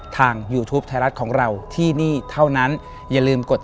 ยูทูปไทยรัฐของเราที่นี่เท่านั้นอย่าลืมกด